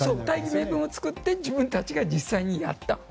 大義名分を作って自分たちが実際にやった。